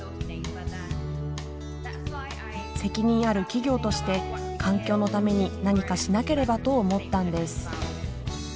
責任ある企業として環境のために何かしなければと思ったんです。